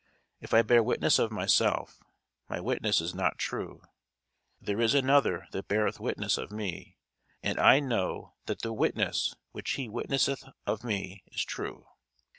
If I bear witness of myself, my witness is not true. There is another that beareth witness of me; and I know that the witness which he witnesseth of me is true.